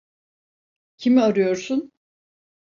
Kimi arıyorsun?